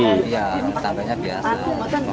iya tetangganya biasa